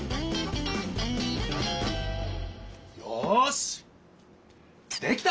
よしできた！